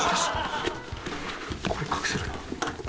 ここに隠せるな。